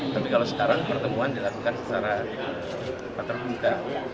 tapi kalau sekarang pertemuan dilakukan secara terbuka